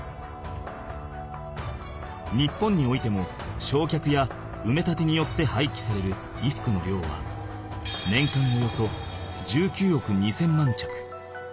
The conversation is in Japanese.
日本においてもしょうきゃくやうめ立てによってはいきされる衣服の量は年間およそ１９億２０００万着。